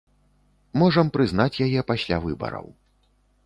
Можам прызнаць яе пасля выбараў.